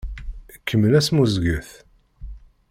Kemmel asmuzget!